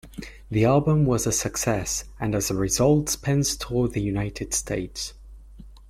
The album was a success, and as a result Spence toured the United States.